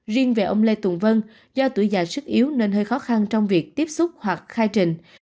riêng về ông lê tùng vân do tuổi già sức yếu nên hơi khó khăn trong việc tiếp xúc hoặc khai trình